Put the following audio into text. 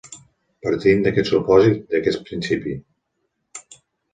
Partint d'aquest supòsit, d'aquest principi.